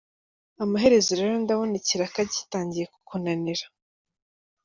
Amaherezo rero, ndabona ikiraka gitangiye kukunanira.